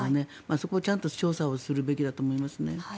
そこをちゃんと調査をするべきだと思いますね。